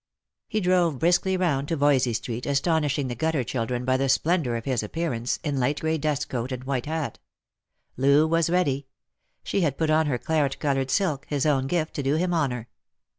He drove briskly round to Voysey street, astonishing the gutter children by the splendour of his appearance, in light grey dust coat and white hat. Loo was ready. She had put on her claret coloured silk, his own gift, to do him honour.